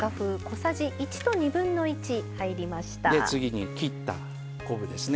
次に切った昆布ですね。